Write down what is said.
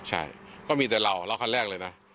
ใช่ก็มีแต่เราแล้วคันแรกเลยนะ